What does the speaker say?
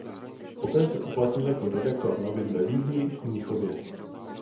Poté se uplatnil jako redaktor novin ve Vídni a Mnichově.